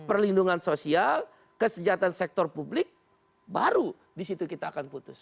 perlindungan sosial kesejahteraan sektor publik baru disitu kita akan putus